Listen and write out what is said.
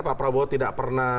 pak prabowo tidak pernah